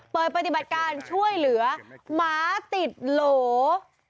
เปิดปฏิบัติการช่วยเหลือหมาติดโหล